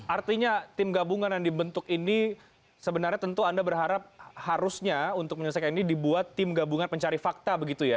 artinya tim gabungan yang dibentuk ini sebenarnya tentu anda berharap harusnya untuk menyelesaikan ini dibuat tim gabungan pencari fakta begitu ya